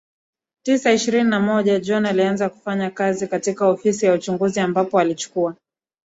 tisa ishirini na moja John alianza kufanya kazi katika Ofisi ya Uchunguzi ambapo alichukua